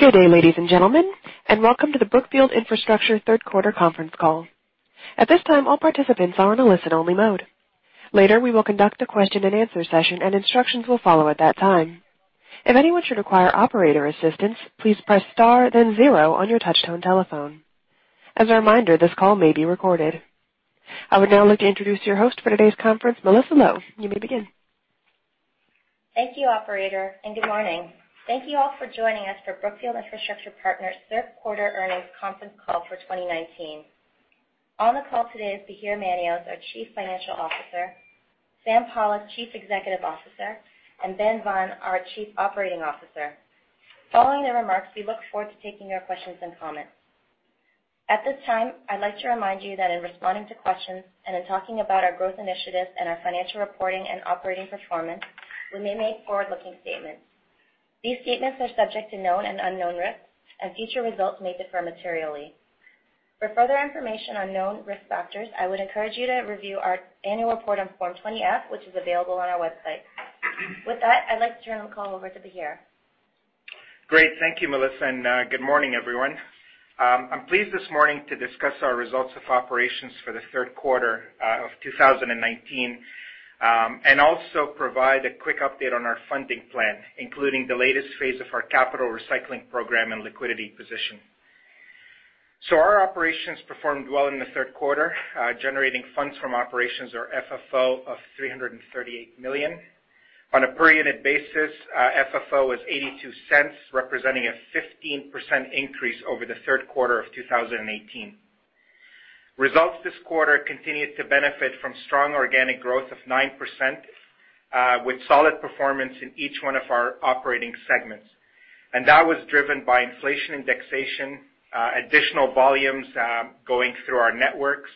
Good day, ladies and gentlemen, welcome to the Brookfield Infrastructure third quarter conference call. At this time, all participants are in a listen-only mode. Later, we will conduct a question and answer session and instructions will follow at that time. If anyone should require operator assistance, please press star then zero on your touch-tone telephone. As a reminder, this call may be recorded. I would now like to introduce your host for today's conference, Melissa Low. You may begin. Thank you, Operator, good morning. Thank you all for joining us for Brookfield Infrastructure Partners' third quarter earnings conference call for 2019. On the call today is Bahir Manios, our Chief Financial Officer, Sam Pollock, Chief Executive Officer, and Ben Vaughan, our Chief Operating Officer. Following their remarks, we look forward to taking your questions and comments. At this time, I'd like to remind you that in responding to questions and in talking about our growth initiatives and our financial reporting and operating performance, we may make forward-looking statements. These statements are subject to known and unknown risks, and future results may differ materially. For further information on known risk factors, I would encourage you to review our annual report on Form 20-F, which is available on our website. With that, I'd like to turn the call over to Bahir. Great. Thank you, Melissa, and good morning, everyone. I'm pleased this morning to discuss our results of operations for the third quarter of 2019, and also provide a quick update on our funding plan, including the latest phase of our capital recycling program and liquidity position. Our operations performed well in the third quarter, generating funds from operations or FFO of $338 million. On a per unit basis, FFO was $0.82, representing a 15% increase over the third quarter of 2018. Results this quarter continued to benefit from strong organic growth of 9%, with solid performance in each one of our operating segments. That was driven by inflation indexation, additional volumes going through our networks,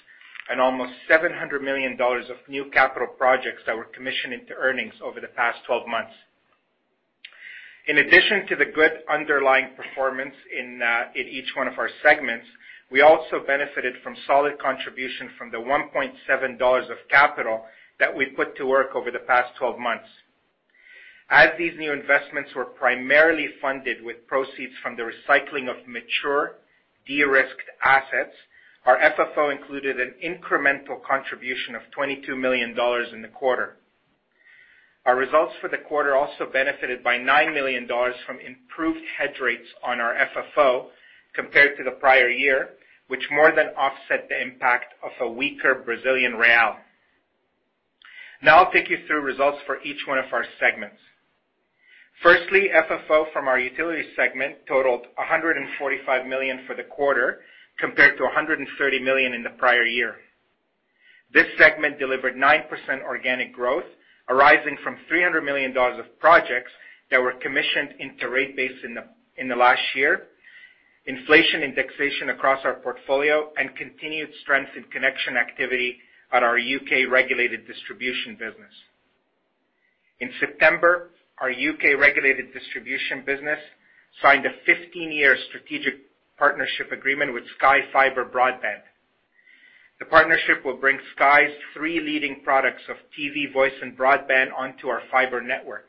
and almost $700 million of new capital projects that were commissioned into earnings over the past 12 months. In addition to the good underlying performance in each one of our segments, we also benefited from solid contribution from the $1.7 of capital that we put to work over the past 12 months. As these new investments were primarily funded with proceeds from the recycling of mature, de-risked assets, our FFO included an incremental contribution of $22 million in the quarter. Our results for the quarter also benefited by $9 million from improved hedge rates on our FFO compared to the prior year, which more than offset the impact of a weaker Brazilian real. I'll take you through results for each one of our segments. Firstly, FFO from our utility segment totaled $145 million for the quarter, compared to $130 million in the prior year. This segment delivered 9% organic growth, arising from $300 million of projects that were commissioned into rate base in the last year, inflation indexation across our portfolio, and continued strength in connection activity at our U.K. regulated distribution business. In September, our U.K. regulated distribution business signed a 15-year strategic partnership agreement with Sky Fiber Broadband. The partnership will bring Sky's 3 leading products of TV, voice, and broadband onto our fiber network.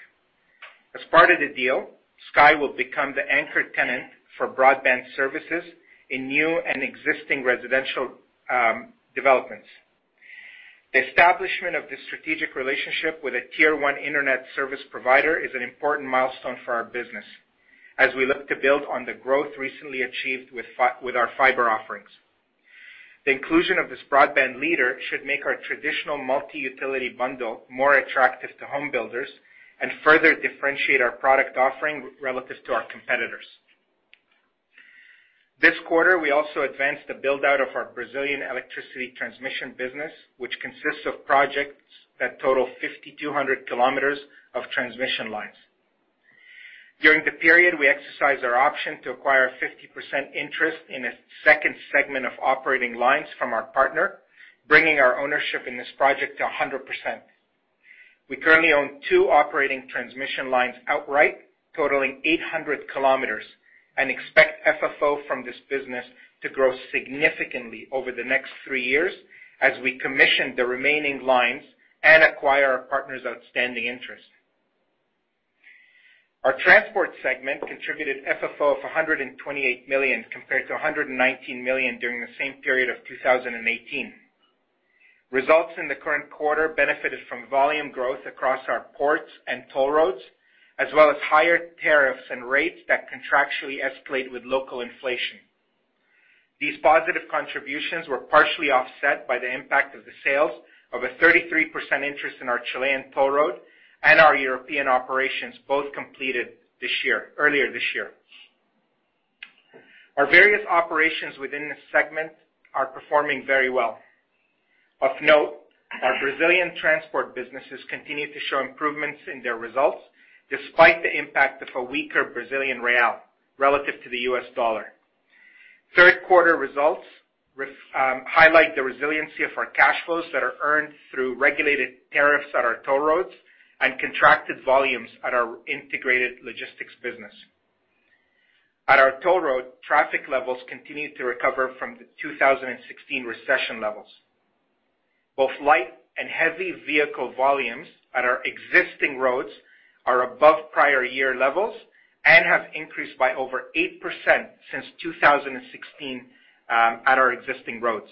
As part of the deal, Sky will become the anchor tenant for broadband services in new and existing residential developments. The establishment of this strategic relationship with a tier 1 internet service provider is an important milestone for our business, as we look to build on the growth recently achieved with our fiber offerings. The inclusion of this broadband leader should make our traditional multi-utility bundle more attractive to home builders and further differentiate our product offering relative to our competitors. This quarter, we also advanced the build-out of our Brazilian electricity transmission business, which consists of projects that total 5,200 kilometers of transmission lines. During the period, we exercised our option to acquire a 50% interest in a second segment of operating lines from our partner, bringing our ownership in this project to 100%. We currently own two operating transmission lines outright, totaling 800 kilometers, and expect FFO from this business to grow significantly over the next three years as we commission the remaining lines and acquire our partner's outstanding interest. Our transport segment contributed FFO of $128 million compared to $119 million during the same period of 2018. Results in the current quarter benefited from volume growth across our ports and toll roads, as well as higher tariffs and rates that contractually escalate with local inflation. These positive contributions were partially offset by the impact of the sales of a 33% interest in our Chilean toll road and our European operations, both completed earlier this year. Our various operations within this segment are performing very well. Of note, our Brazilian transport businesses continue to show improvements in their results, despite the impact of a weaker Brazilian real relative to the U.S. dollar. Third quarter results highlight the resiliency of our cash flows that are earned through regulated tariffs at our toll roads and contracted volumes at our integrated logistics business. At our toll road, traffic levels continue to recover from the 2016 recession levels. Both light and heavy vehicle volumes at our existing roads are above prior year levels and have increased by over 8% since 2016 at our existing roads.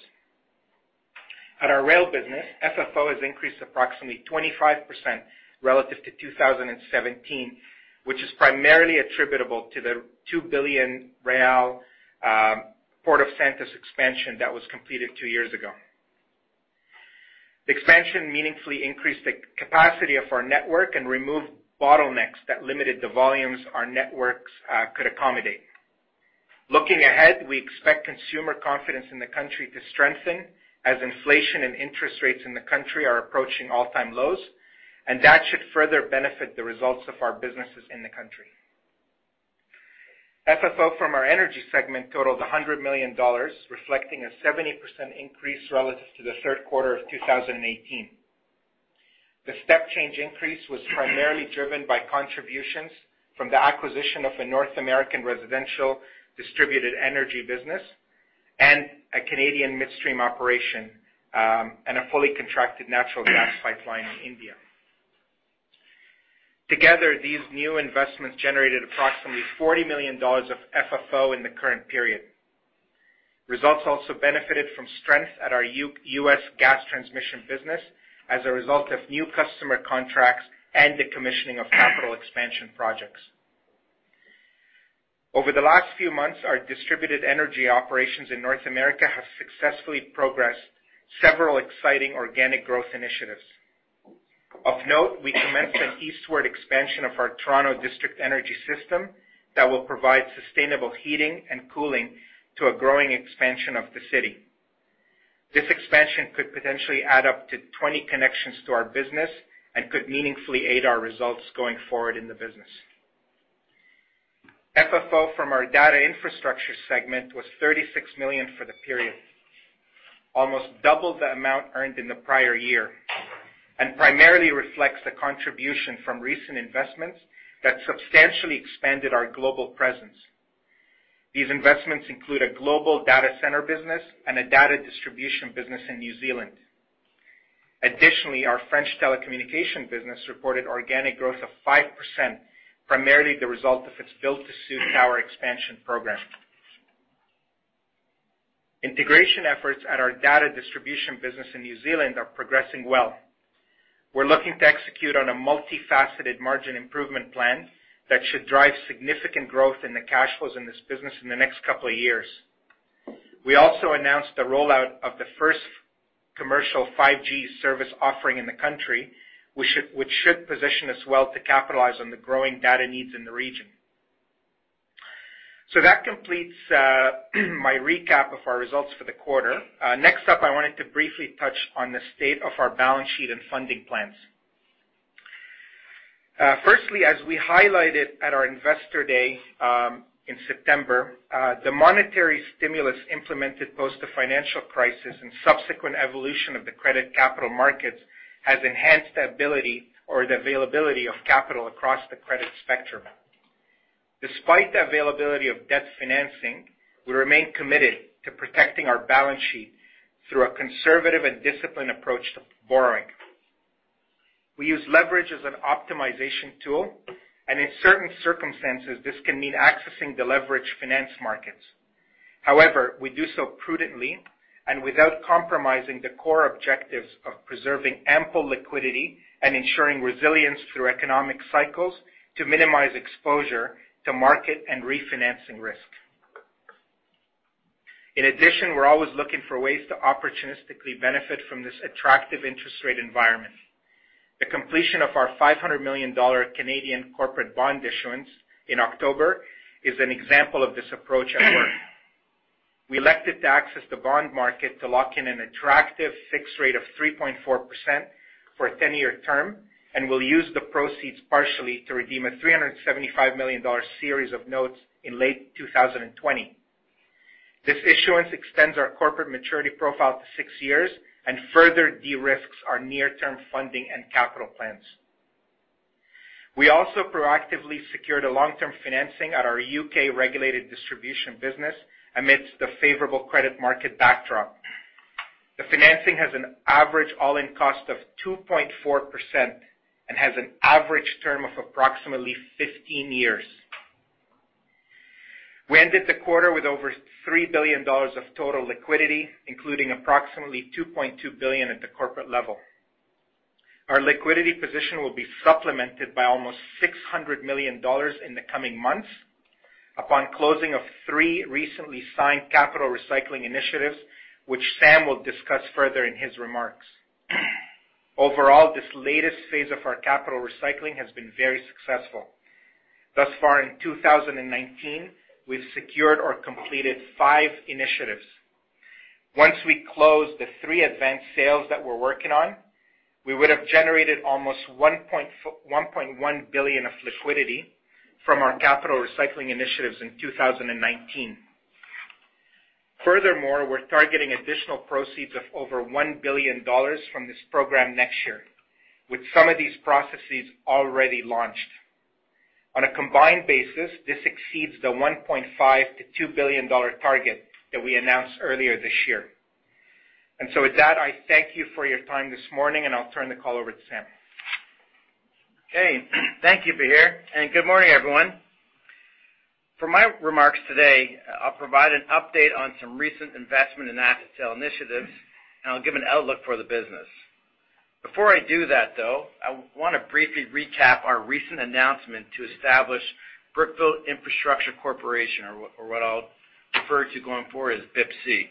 At our rail business, FFO has increased approximately 25% relative to 2017, which is primarily attributable to the 2 billion real Port of Santos expansion that was completed two years ago. The expansion meaningfully increased the capacity of our network and removed bottlenecks that limited the volumes our networks could accommodate. Looking ahead, we expect consumer confidence in the country to strengthen as inflation and interest rates in the country are approaching all-time lows, and that should further benefit the results of our businesses in the country. FFO from our energy segment totaled $100 million, reflecting a 70% increase relative to the third quarter of 2018. The step change increase was primarily driven by contributions from the acquisition of a North American residential distributed energy business and a Canadian midstream operation, and a fully contracted natural gas pipeline in India. Together, these new investments generated approximately $40 million of FFO in the current period. Results also benefited from strength at our U.S. gas transmission business as a result of new customer contracts and the commissioning of capital expansion projects. Over the last few months, our distributed energy operations in North America have successfully progressed several exciting organic growth initiatives. Of note, we commenced an eastward expansion of our Toronto district energy system that will provide sustainable heating and cooling to a growing expansion of the city. This expansion could potentially add up to 20 connections to our business and could meaningfully aid our results going forward in the business. FFO from our data infrastructure segment was $36 million for the period, almost double the amount earned in the prior year, and primarily reflects the contribution from recent investments that substantially expanded our global presence. These investments include a global data center business and a data distribution business in New Zealand. Additionally, our French telecommunication business reported organic growth of 5%, primarily the result of its build-to-suit tower expansion program. Integration efforts at our data distribution business in New Zealand are progressing well. We're looking to execute on a multifaceted margin improvement plan that should drive significant growth in the cash flows in this business in the next couple of years. We also announced the rollout of the first commercial 5G service offering in the country, which should position us well to capitalize on the growing data needs in the region. That completes my recap of our results for the quarter. Next up, I wanted to briefly touch on the state of our balance sheet and funding plans. Firstly, as we highlighted at our investor day in September, the monetary stimulus implemented post the financial crisis and subsequent evolution of the credit capital markets has enhanced the ability or the availability of capital across the credit spectrum. Despite the availability of debt financing, we remain committed to protecting our balance sheet through a conservative and disciplined approach to borrowing. We use leverage as an optimization tool, and in certain circumstances, this can mean accessing the leverage finance markets. However, we do so prudently and without compromising the core objectives of preserving ample liquidity and ensuring resilience through economic cycles to minimize exposure to market and refinancing risk. In addition, we're always looking for ways to opportunistically benefit from this attractive interest rate environment. The completion of our 500 million Canadian dollars Canadian corporate bond issuance in October is an example of this approach at work. We elected to access the bond market to lock in an attractive fixed rate of 3.4% for a 10-year term. We'll use the proceeds partially to redeem a $375 million series of notes in late 2020. This issuance extends our corporate maturity profile to six years and further de-risks our near-term funding and capital plans. We also proactively secured a long-term financing at our U.K. regulated distribution business amidst the favorable credit market backdrop. The financing has an average all-in cost of 2.4% and has an average term of approximately 15 years. We ended the quarter with over $3 billion of total liquidity, including approximately $2.2 billion at the corporate level. Our liquidity position will be supplemented by almost $600 million in the coming months upon closing of three recently signed capital recycling initiatives, which Sam will discuss further in his remarks. Overall, this latest phase of our capital recycling has been very successful. Thus far in 2019, we've secured or completed five initiatives. Once we close the three advanced sales that we're working on, we would have generated almost $1.1 billion of liquidity from our capital recycling initiatives in 2019. Furthermore, we're targeting additional proceeds of over $1 billion from this program next year, with some of these processes already launched. On a combined basis, this exceeds the $1.5 billion-$2 billion target that we announced earlier this year. With that, I thank you for your time this morning, and I'll turn the call over to Sam. Okay. Thank you, Bahir, and good morning, everyone. For my remarks today, I'll provide an update on some recent investment and asset sale initiatives, and I'll give an outlook for the business. Before I do that, though, I want to briefly recap our recent announcement to establish Brookfield Infrastructure Corporation, or what I'll refer to going forward as BIPC.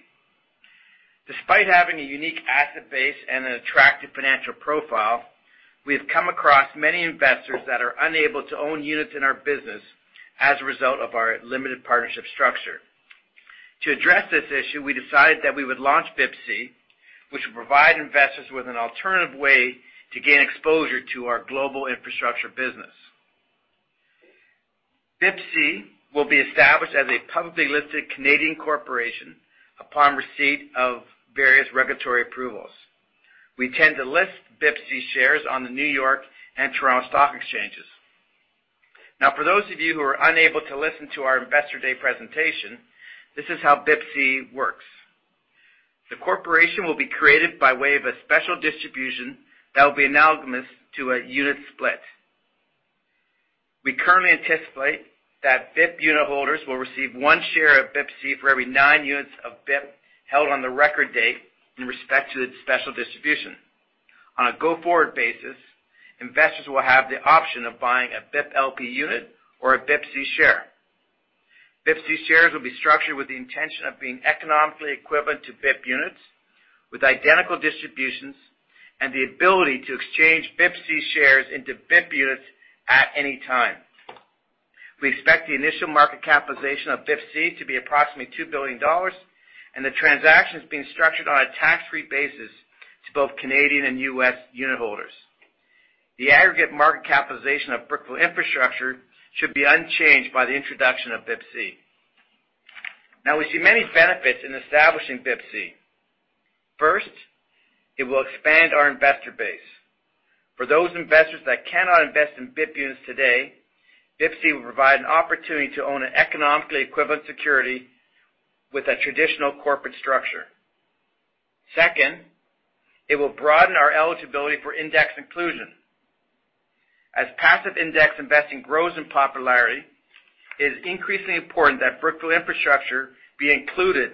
Despite having a unique asset base and an attractive financial profile, we have come across many investors that are unable to own units in our business as a result of our limited partnership structure. To address this issue, we decided that we would launch BIPC, which will provide investors with an alternative way to gain exposure to our global infrastructure business. BIPC will be established as a publicly listed Canadian corporation upon receipt of various regulatory approvals. We intend to list BIPC shares on the New York and Toronto stock exchanges. For those of you who were unable to listen to our investor day presentation, this is how BIPC works. The corporation will be created by way of a special distribution that will be analogous to a unit split. We currently anticipate that BIP unit holders will receive one share of BIPC for every nine units of BIP held on the record date in respect to its special distribution. On a go-forward basis, investors will have the option of buying a BIP LP unit or a BIPC share. BIPC shares will be structured with the intention of being economically equivalent to BIP units, with identical distributions and the ability to exchange BIPC shares into BIP units at any time. We expect the initial market capitalization of BIPC to be approximately $2 billion, and the transaction is being structured on a tax-free basis to both Canadian and U.S. unit holders. We see many benefits in establishing BIPC. First, it will expand our investor base. For those investors that cannot invest in BIP units today, BIPC will provide an opportunity to own an economically equivalent security with a traditional corporate structure. Second, it will broaden our eligibility for index inclusion. As passive index investing grows in popularity, it is increasingly important that Brookfield Infrastructure be included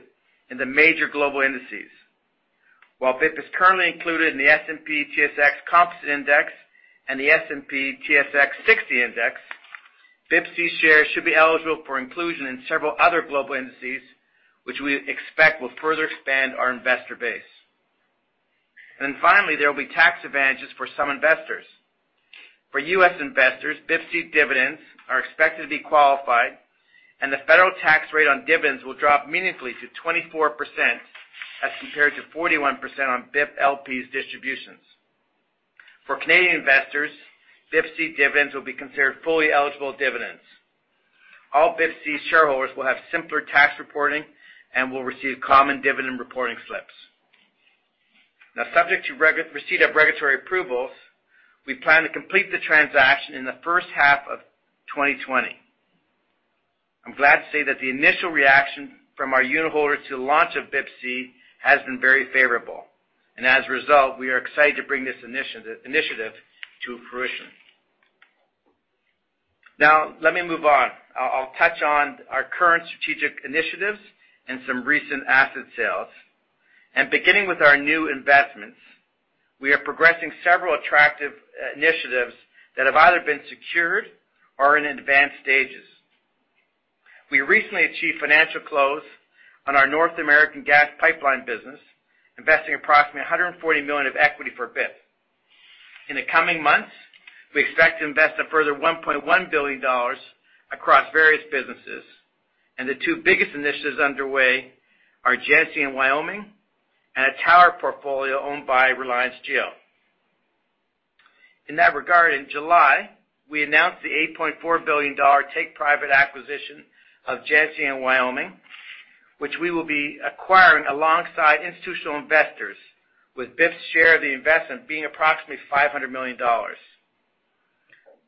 in the major global indices. While BIP is currently included in the S&P/TSX Composite Index and the S&P/TSX 60 Index, BIPC shares should be eligible for inclusion in several other global indices, which we expect will further expand our investor base. Finally, there will be tax advantages for some investors. For U.S. investors, BIPC dividends are expected to be qualified, and the federal tax rate on dividends will drop meaningfully to 24%, as compared to 41% on BIP LP's distributions. For Canadian investors, BIPC dividends will be considered fully eligible dividends. All BIPC shareholders will have simpler tax reporting and will receive common dividend reporting slips. Now, subject to receipt of regulatory approvals, we plan to complete the transaction in the first half of 2020. I'm glad to say that the initial reaction from our unit holders to the launch of BIPC has been very favorable. As a result, we are excited to bring this initiative to fruition. Now, let me move on. I'll touch on our current strategic initiatives and some recent asset sales. Beginning with our new investments, we are progressing several attractive initiatives that have either been secured or in advanced stages. We recently achieved financial close on our North American gas pipeline business, investing approximately $140 million of equity for BIP. In the coming months, we expect to invest a further $1.1 billion across various businesses, and the two biggest initiatives underway are Genesee & Wyoming, and a tower portfolio owned by Reliance Jio. In that regard, in July, we announced the $8.4 billion take-private acquisition of Genesee & Wyoming, which we will be acquiring alongside institutional investors, with BIP's share of the investment being approximately $500 million.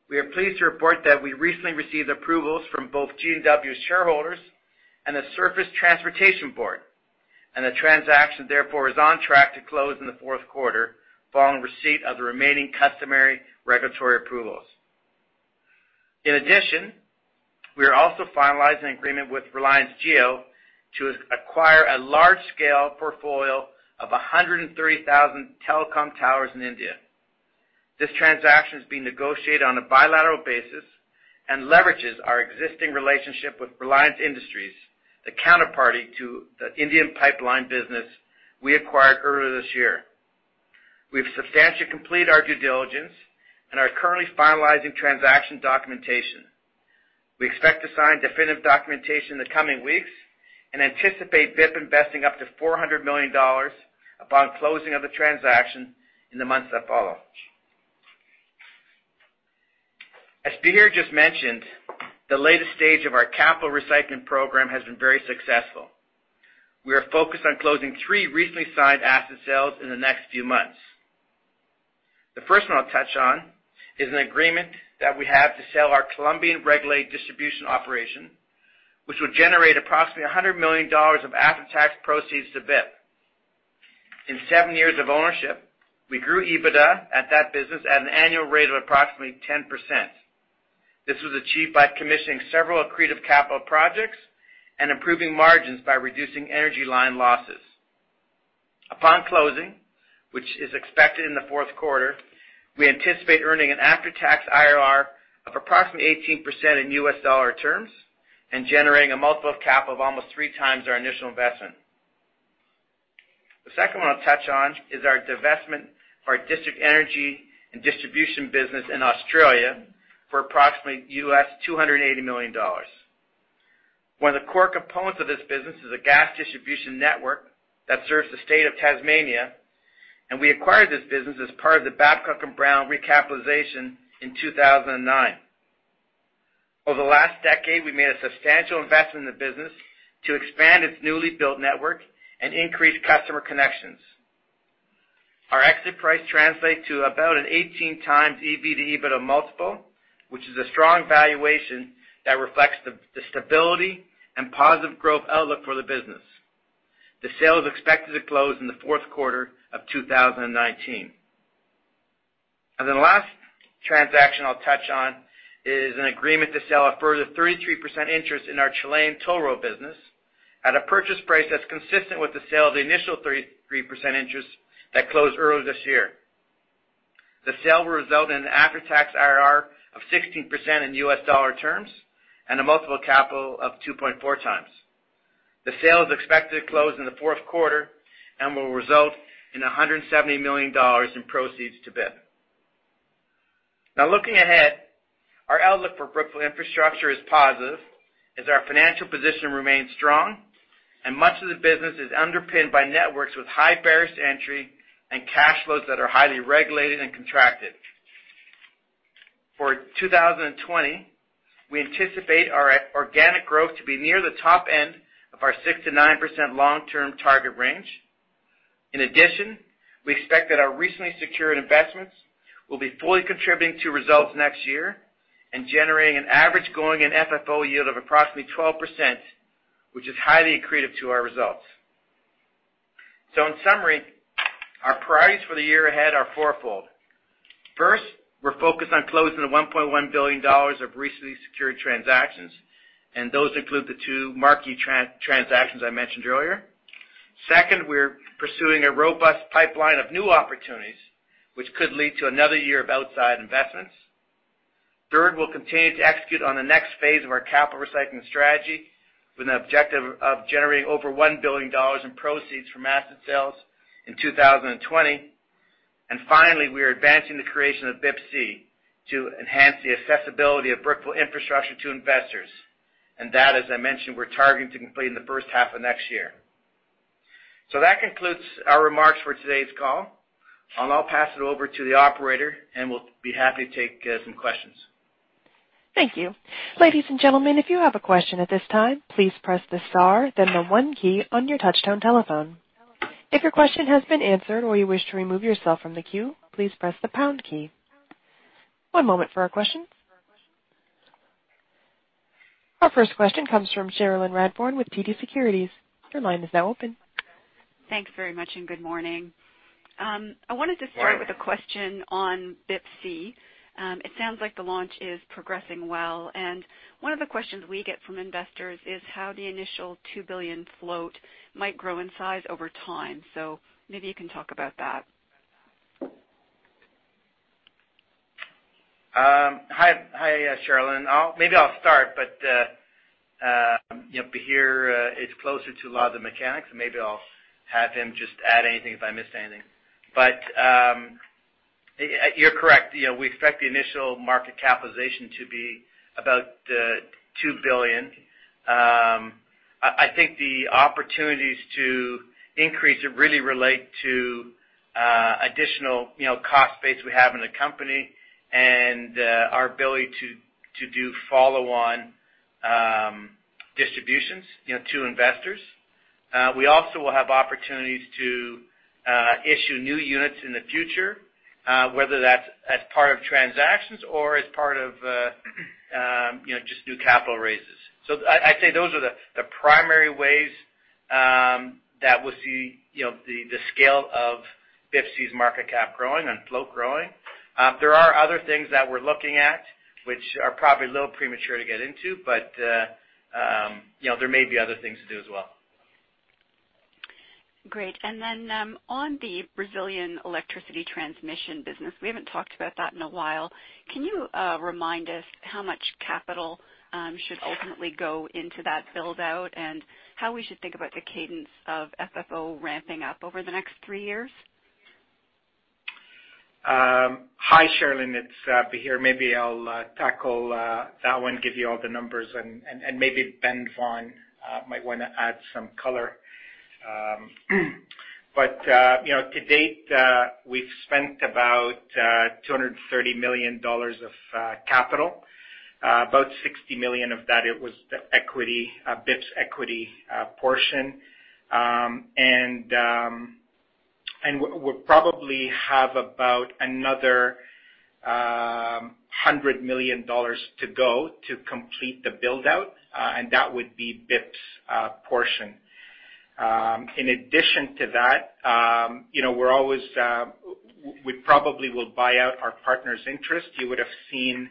We are pleased to report that we recently received approvals from both G&W shareholders and the Surface Transportation Board, and the transaction therefore is on track to close in the fourth quarter, following receipt of the remaining customary regulatory approvals. In addition, we are also finalizing agreement with Reliance Jio to acquire a large-scale portfolio of 130,000 telecom towers in India. This transaction is being negotiated on a bilateral basis and leverages our existing relationship with Reliance Industries, the counterparty to the Indian pipeline business we acquired earlier this year. We've substantially completed our due diligence and are currently finalizing transaction documentation. We expect to sign definitive documentation in the coming weeks and anticipate BIP investing up to $400 million upon closing of the transaction in the months that follow. As Bahir just mentioned, the latest stage of our capital recycling program has been very successful. We are focused on closing three recently signed asset sales in the next few months. The first one I'll touch on is an agreement that we have to sell our Colombian regulated distribution operation, which will generate approximately $100 million of after-tax proceeds to BIP. In seven years of ownership, we grew EBITDA at that business at an annual rate of approximately 10%. This was achieved by commissioning several accretive capital projects and improving margins by reducing energy line losses. Upon closing, which is expected in the fourth quarter, we anticipate earning an after-tax IRR of approximately 18% in US dollar terms and generating a multiple cap of almost three times our initial investment. The second one I'll touch on is our divestment of our district energy and distribution business in Australia for approximately $280 million. One of the core components of this business is a gas distribution network that serves the state of Tasmania, and we acquired this business as part of the Babcock & Brown recapitalization in 2009. Over the last decade, we made a substantial investment in the business to expand its newly built network and increase customer connections. Our exit price translates to about an 18x EBITDA multiple, which is a strong valuation that reflects the stability and positive growth outlook for the business. The sale is expected to close in the fourth quarter of 2019. The last transaction I'll touch on is an agreement to sell a further 33% interest in our Chilean toll road business at a purchase price that's consistent with the sale of the initial 33% interest that closed earlier this year. The sale will result in an after-tax IRR of 16% in U.S. dollar terms and a multiple capital of 2.4x. The sale is expected to close in the fourth quarter and will result in $170 million in proceeds to BIP. Now looking ahead, our outlook for Brookfield Infrastructure is positive as our financial position remains strong and much of the business is underpinned by networks with high barriers to entry and cash flows that are highly regulated and contracted. For 2020, we anticipate our organic growth to be near the top end of our 6%-9% long-term target range. In addition, we expect that our recently secured investments will be fully contributing to results next year and generating an average going and FFO yield of approximately 12%, which is highly accretive to our results. In summary, our priorities for the year ahead are fourfold. First, we're focused on closing the $1.1 billion of recently secured transactions, and those include the two marquee transactions I mentioned earlier. Second, we're pursuing a robust pipeline of new opportunities, which could lead to another year of outside investments. We'll continue to execute on the next phase of our capital recycling strategy with an objective of generating over $1 billion in proceeds from asset sales in 2020. Finally, we are advancing the creation of BIPC to enhance the accessibility of Brookfield Infrastructure to investors. That, as I mentioned, we're targeting to complete in the first half of next year. That concludes our remarks for today's call. I'll now pass it over to the operator, and we'll be happy to take some questions. Thank you. Ladies and gentlemen, if you have a question at this time, please press the star then the one key on your touchtone telephone. If your question has been answered or you wish to remove yourself from the queue, please press the pound key. One moment for our questions. Our first question comes from Cherilyn Radbourne with TD Securities. Your line is now open. Thanks very much, and good morning. Morning. I wanted to start with a question on BIPC. It sounds like the launch is progressing well. One of the questions we get from investors is how the initial $2 billion float might grow in size over time. Maybe you can talk about that. Hi, Cherilyn. Maybe I'll start, but Bahir is closer to a lot of the mechanics, and maybe I'll have him just add anything if I missed anything. You're correct. We expect the initial market capitalization to be about $2 billion. I think the opportunities to increase it really relate to additional cost base we have in the company and our ability to do follow-on distributions to investors. We also will have opportunities to issue new units in the future, whether that's as part of transactions or as part of just new capital raises. I'd say those are the primary ways that we'll see the scale of BIPC's market cap growing and float growing. There are other things that we're looking at, which are probably a little premature to get into, but there may be other things to do as well. Great. Then on the Brazilian electricity transmission business, we haven't talked about that in a while. Can you remind us how much capital should ultimately go into that build-out and how we should think about the cadence of FFO ramping up over the next three years? Hi, Cherilyn. It's Bahir. Maybe I'll tackle that one, give you all the numbers, and maybe Ben Vaughan might want to add some color. To date, we've spent about $230 million of capital. About $60 million of that was the BIP's equity portion. We'll probably have about another $100 million to go to complete the build-out. That would be BIP's portion. In addition to that, we probably will buy out our partner's interest. You would have seen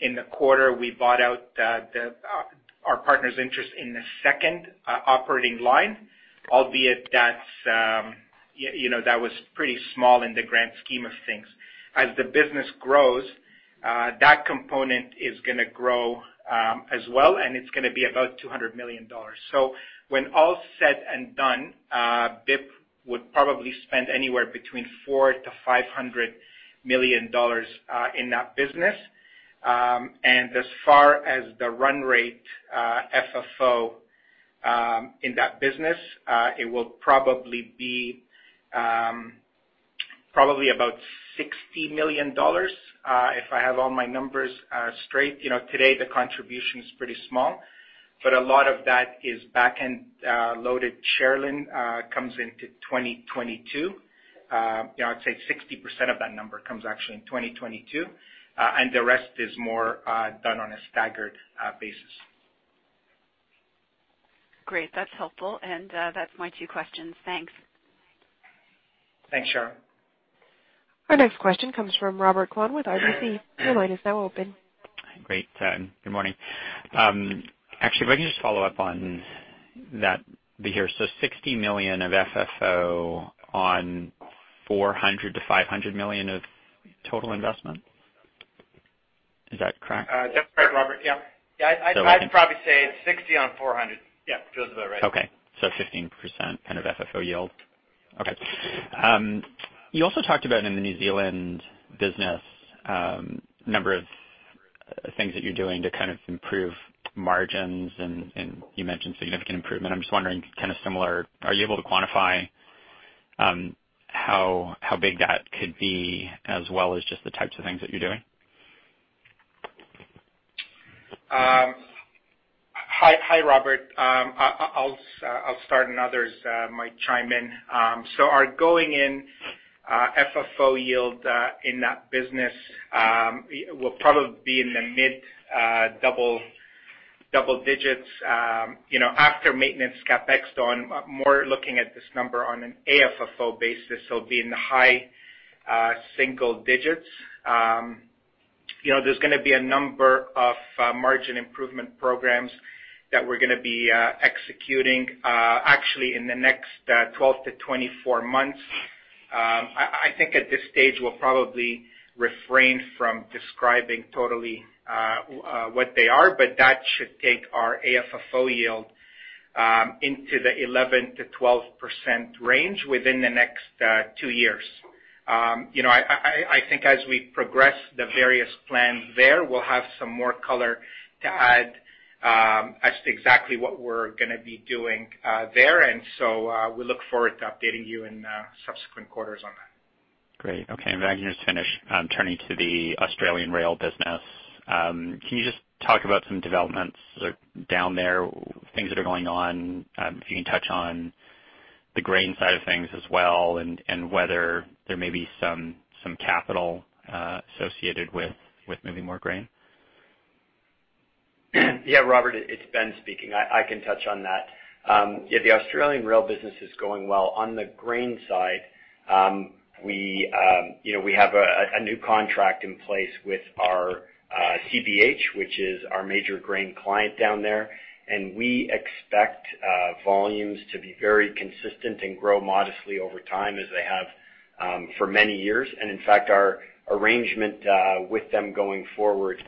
in the quarter, we bought out our partner's interest in the second operating line, albeit that was pretty small in the grand scheme of things. As the business grows, that component is going to grow as well, and it's going to be about $200 million. When all is said and done, BIP would probably spend anywhere between $400 million-$500 million in that business. As far as the run rate FFO in that business, it will probably be about $60 million, if I have all my numbers straight. Today the contribution is pretty small, but a lot of that is backend loaded. Cherilyn comes into 2022. I'd say 60% of that number comes actually in 2022. The rest is more done on a staggered basis. Great. That's helpful. That's my two questions. Thanks. Thanks, Cherilyn. Our next question comes from Robert Kwan with RBC. Your line is now open. Great. Good morning. Actually, if I can just follow up on that, Bahir. $60 million of FFO on $400 million-$500 million of total investment? Is that correct? That's correct, Robert. Yeah. Yeah. So- I'd probably say it's $60 on $400. Yeah. Bahir is right. Okay. 15% kind of FFO yield. Okay. You also talked about in the New Zealand business, a number of things that you're doing to kind of improve margins and you mentioned significant improvement. I'm just wondering, kind of similar, are you able to quantify how big that could be as well as just the types of things that you're doing? Hi, Robert. I'll start and others might chime in. Our going-in FFO yield in that business will probably be in the mid-double digits after maintenance CapEx, more looking at this number on an AFFO basis, it'll be in the high single digits. There's going to be a number of margin improvement programs that we're going to be executing actually in the next 12 to 24 months. I think at this stage, we'll probably refrain from describing totally what they are, but that should take our AFFO yield into the 11%-12% range within the next two years. I think as we progress the various plans there, we'll have some more color to add as to exactly what we're going to be doing there. We look forward to updating you in subsequent quarters on that. Great. Okay. If I can just finish, turning to the Australian rail business, can you just talk about some developments down there, things that are going on? If you can touch on the grain side of things as well, and whether there may be some capital associated with moving more grain? Yeah, Robert, it's Ben speaking. I can touch on that. Yeah, the Australian rail business is going well. On the grain side, we have a new contract in place with our CBH, which is our major grain client down there. We expect volumes to be very consistent and grow modestly over time as they have for many years. In fact, our arrangement with them going forward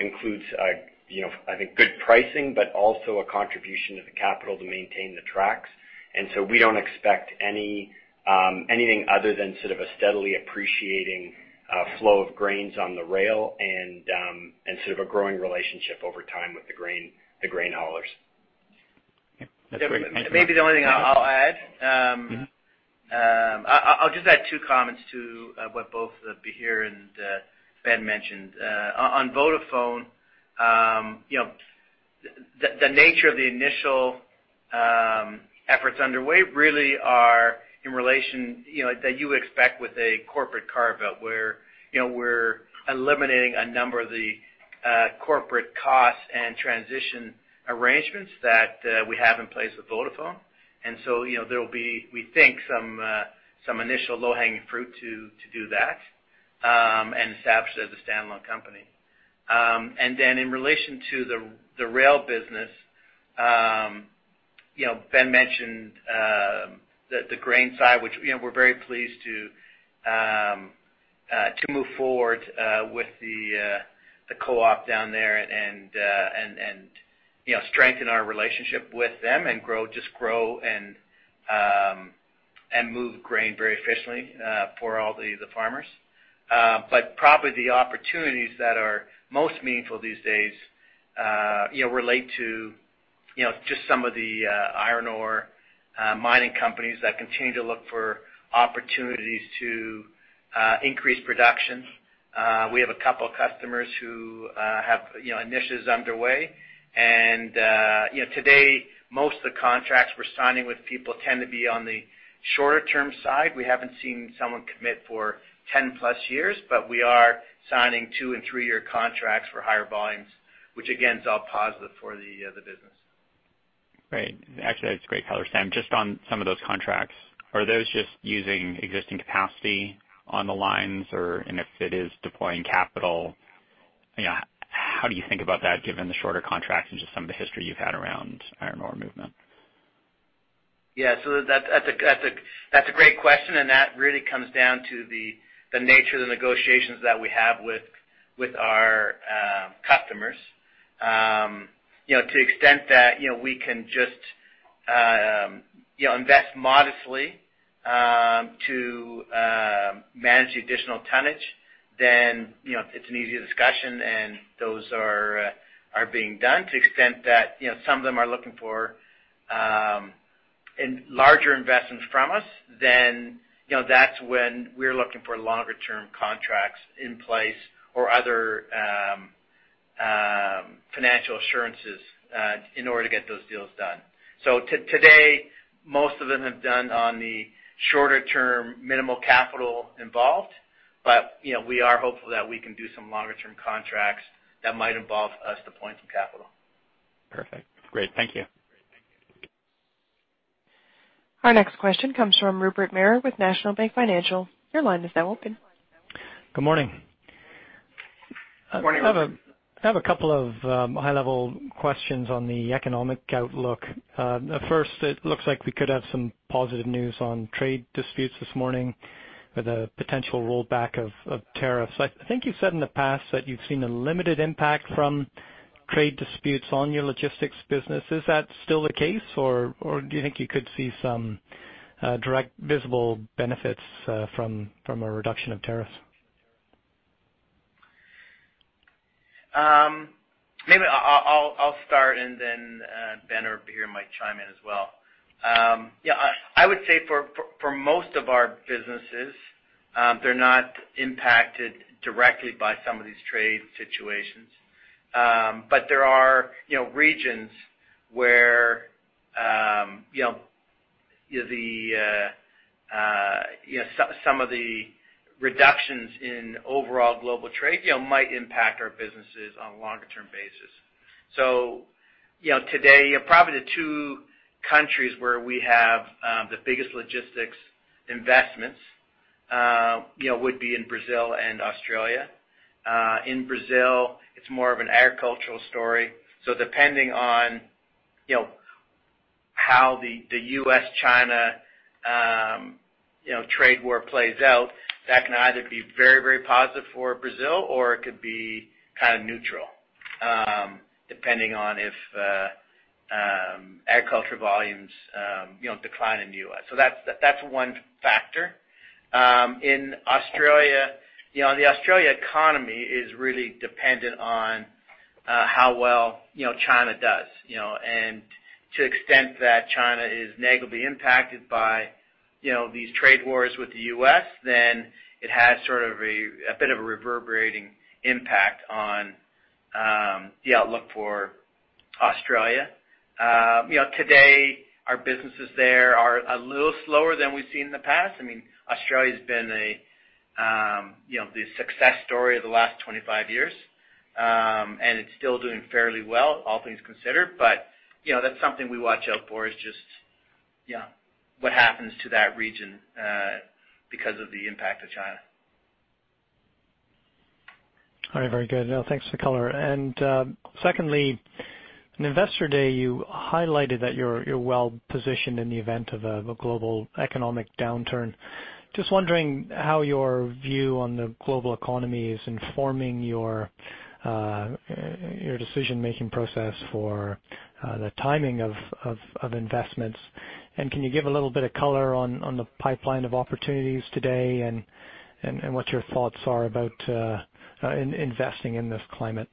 includes, I think, good pricing, but also a contribution of the capital to maintain the tracks. We don't expect anything other than sort of a steadily appreciating flow of grains on the rail and sort of a growing relationship over time with the grain haulers. That's great. Maybe the only thing I'll add. I'll just add two comments to what both Bahir and Ben mentioned. On Vodafone, the nature of the initial efforts underway really are in relation that you would expect with a corporate carve-out, where we're eliminating a number of the corporate costs and transition arrangements that we have in place with Vodafone. There will be, we think, some initial low-hanging fruit to do that and establish it as a standalone company. In relation to the rail business, Ben mentioned the grain side, which we're very pleased to move forward with the co-op down there and strengthen our relationship with them. Move grain very efficiently for all the farmers. Probably the opportunities that are most meaningful these days relate to just some of the iron ore mining companies that continue to look for opportunities to increase production. We have a couple customers who have initiatives underway, and today, most of the contracts we're signing with people tend to be on the shorter-term side. We haven't seen someone commit for 10-plus years, but we are signing two- and three-year contracts for higher volumes, which again, is all positive for the business. Great. Actually, that's great color, Sam. Just on some of those contracts, are those just using existing capacity on the lines, and if it is deploying capital, how do you think about that given the shorter contracts and just some of the history you've had around iron ore movement? Yeah. That's a great question, and that really comes down to the nature of the negotiations that we have with our customers. To the extent that we can just invest modestly to manage the additional tonnage, then it's an easier discussion, and those are being done. To the extent that some of them are looking for larger investments from us, then that's when we're looking for longer-term contracts in place or other financial assurances in order to get those deals done. Today, most of them have done on the shorter term, minimal capital involved, but we are hopeful that we can do some longer-term contracts that might involve us deploying some capital. Perfect. Great. Thank you. Our next question comes from Rupert Merer with National Bank Financial. Your line is now open. Good morning. Morning, Rupert. I have a couple of high-level questions on the economic outlook. First, it looks like we could have some positive news on trade disputes this morning with a potential rollback of tariffs. I think you've said in the past that you've seen a limited impact from trade disputes on your logistics business. Is that still the case, or do you think you could see some direct visible benefits from a reduction of tariffs? Maybe I'll start, and then Ben or Bahir might chime in as well. Yeah. I would say for most of our businesses, they're not impacted directly by some of these trade situations. There are regions where some of the reductions in overall global trade might impact our businesses on a longer-term basis. Today, probably the two countries where we have the biggest logistics investments would be in Brazil and Australia. In Brazil, it's more of an agricultural story. Depending on how the U.S.-China trade war plays out, that can either be very positive for Brazil, or it could be kind of neutral, depending on if agriculture volumes decline in the U.S. That's one factor. In Australia, the Australian economy is really dependent on how well China does. To the extent that China is negatively impacted by these trade wars with the U.S., then it has sort of a bit of a reverberating impact on the outlook for Australia. Today, our businesses there are a little slower than we've seen in the past. Australia's been the success story of the last 25 years. It's still doing fairly well, all things considered. That's something we watch out for, is just what happens to that region because of the impact of China. All right. Very good. Thanks for the color. Secondly, in Investor Day, you highlighted that you're well-positioned in the event of a global economic downturn. Just wondering how your view on the global economy is informing your decision-making process for the timing of investments. Can you give a little bit of color on the pipeline of opportunities today and what your thoughts are about investing in this climate?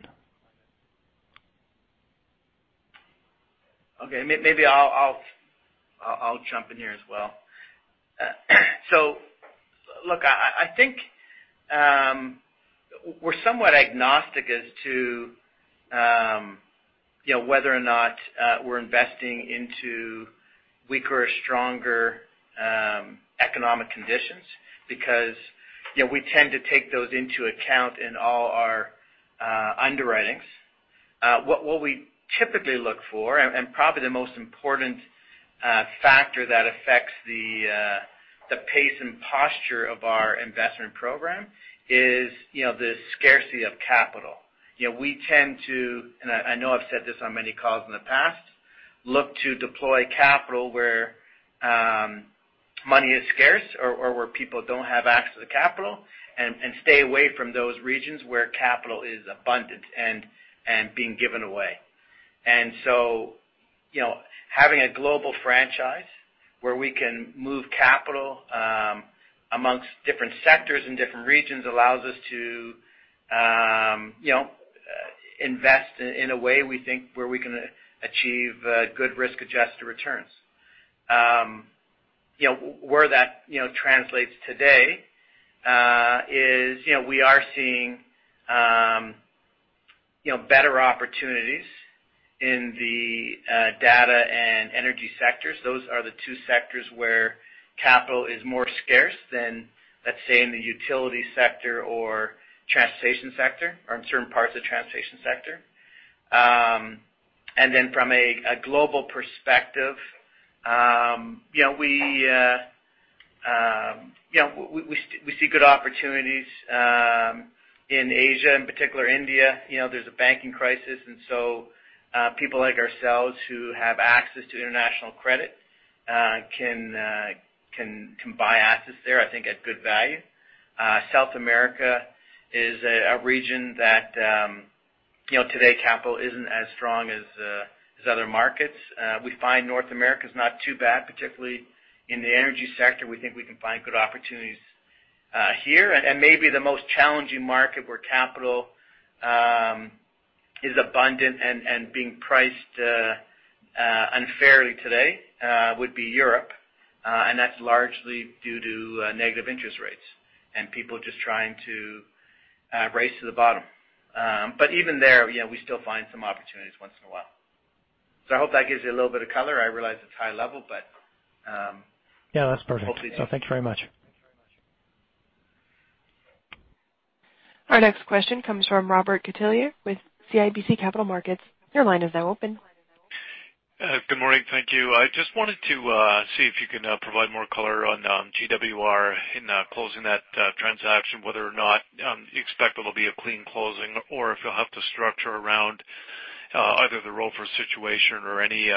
Okay. Maybe I'll jump in here as well. Look, I think we're somewhat agnostic as to whether or not we're investing into weaker or stronger economic conditions because we tend to take those into account in all our underwritings. What we typically look for, and probably the most important factor that affects the pace and posture of our investment program, is the scarcity of capital. We tend to, and I know I've said this on many calls in the past, look to deploy capital where money is scarce or where people don't have access to capital, and stay away from those regions where capital is abundant and being given away. Having a global franchise where we can move capital amongst different sectors in different regions allows us to invest in a way we think where we can achieve good risk-adjusted returns. Where that translates today is we are seeing better opportunities in the data and energy sectors. Those are the two sectors where capital is scarcer than, let's say, in the utility sector or transportation sector, or in certain parts of the transportation sector. From a global perspective, we see good opportunities in Asia, in particular India. There's a banking crisis, people like ourselves who have access to international credit can buy assets there, I think, at good value. South America is a region that today capital isn't as strong as other markets. We find North America's not too bad, particularly in the energy sector. We think we can find good opportunities here. Maybe the most challenging market where capital is abundant and being priced unfairly today would be Europe. That's largely due to negative interest rates and people just trying to race to the bottom. Even there, we still find some opportunities once in a while. I hope that gives you a little bit of color. I realize it's high level. Yeah, that's perfect. Hopefully- Thank you very much. Our next question comes from Robert Catellier with CIBC Capital Markets. Your line is now open. Good morning. Thank you. I just wanted to see if you could provide more color on G&W in closing that transaction, whether or not you expect it'll be a clean closing or if you'll have to structure around either the ROFR situation or any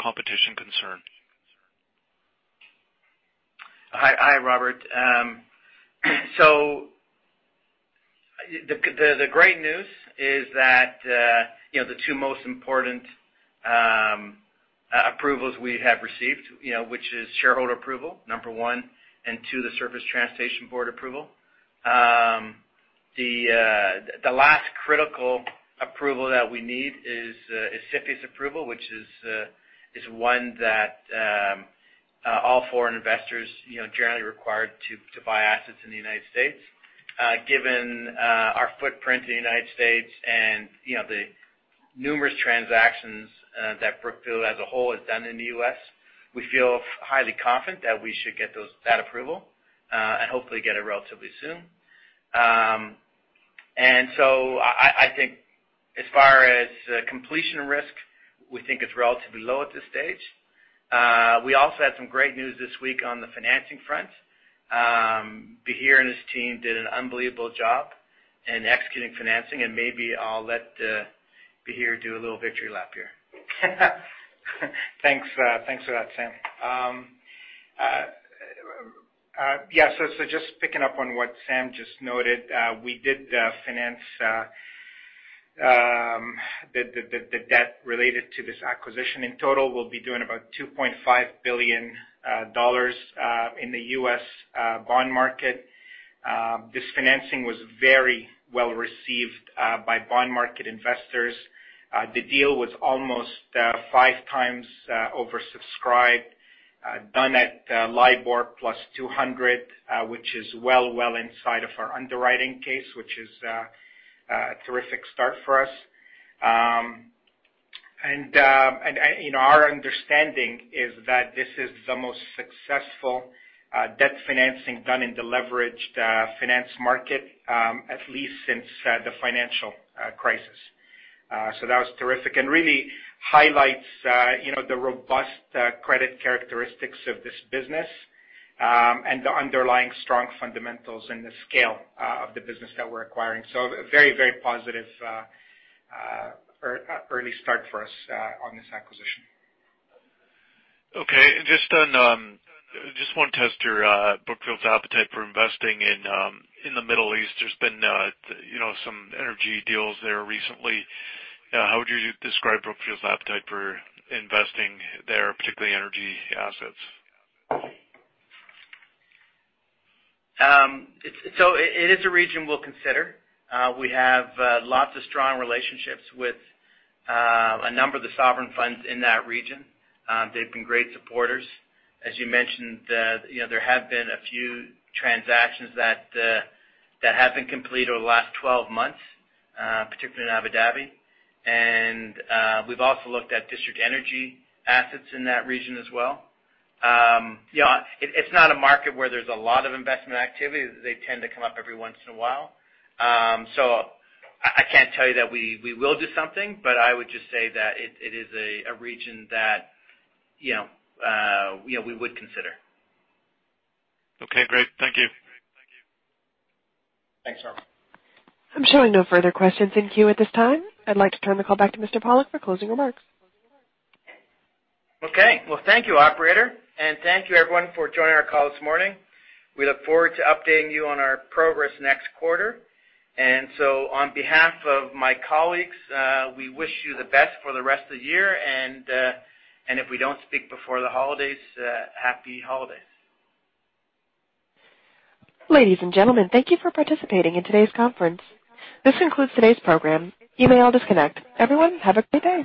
competition concern. Hi, Robert. The great news is that the two most important approvals we have received, which is shareholder approval, number one, and number two, the Surface Transportation Board approval. The last critical approval that we need is CFIUS approval, which is one that all foreign investors generally are required to buy assets in the U.S. Given our footprint in the U.S. and the numerous transactions that Brookfield as a whole has done in the U.S., we feel highly confident that we should get that approval. Hopefully get it relatively soon. I think as far as completion risk, we think it's relatively low at this stage. We also had some great news this week on the financing front. Bahir and his team did an unbelievable job in executing financing, and maybe I'll let Bahir do a little victory lap here. Thanks. Thanks for that, Sam. Just picking up on what Sam just noted. We did finance the debt related to this acquisition. In total, we'll be doing about $2.5 billion in the U.S. bond market. This financing was very well-received by bond market investors. The deal was almost five times oversubscribed, done at LIBOR plus 200, which is well inside of our underwriting case, which is a terrific start for us. Our understanding is that this is the most successful debt financing done in the leveraged finance market, at least since the financial crisis. That was terrific and really highlights the robust credit characteristics of this business, and the underlying strong fundamentals and the scale of the business that we're acquiring. A very positive early start for us on this acquisition. Okay. Just want to test your Brookfield's appetite for investing in the Middle East? There's been some energy deals there recently. How would you describe Brookfield's appetite for investing there, particularly energy assets? It is a region we'll consider. We have lots of strong relationships with a number of the sovereign funds in that region. They've been great supporters. As you mentioned, there have been a few transactions that have been completed over the last 12 months, particularly in Abu Dhabi. We've also looked at district energy assets in that region as well. It's not a market where there's a lot of investment activity. They tend to come up every once in a while. I can't tell you that we will do something, but I would just say that it is a region that we would consider. Okay, great. Thank you. Thanks, Robert. I'm showing no further questions in queue at this time. I'd like to turn the call back to Mr. Pollock for closing remarks. Okay. Well, thank you, operator, and thank you everyone for joining our call this morning. We look forward to updating you on our progress next quarter. On behalf of my colleagues, we wish you the best for the rest of the year. If we don't speak before the holidays, happy holidays. Ladies and gentlemen, thank you for participating in today's conference. This concludes today's program. You may all disconnect. Everyone, have a good day.